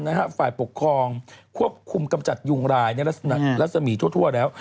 ศาบาลฝ่ายปกครองควบคุมกำจัดยุงรายรัศมีร์ทั่วแล้ว